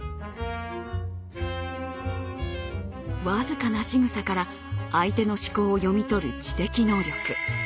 僅かなしぐさから相手の思考を読み取る知的能力。